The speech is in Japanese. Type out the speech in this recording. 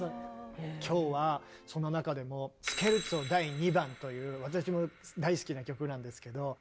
今日はその中でも「スケルツォ第２番」という私も大好きな曲なんですけど。